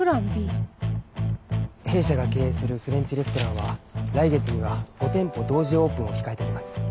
弊社が経営するフレンチレストランは来月には５店舗同時オープンを控えております。